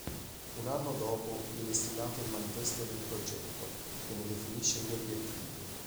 Un anno dopo viene stilato il Manifesto del progetto, che ne definisce gli obiettivi.